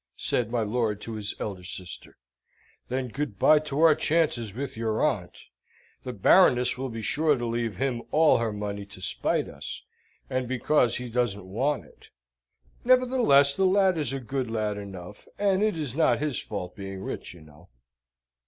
said my lord to his elder sister. "Then good bye to our chances with your aunt. The Baroness will be sure to leave him all her money to spite us, and because he doesn't want it. Nevertheless, the lad is a good lad enough, and it is not his fault being rich, you know."